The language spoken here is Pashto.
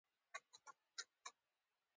هغه د خپل پلار او مور د خدمت لپاره تل تیار ده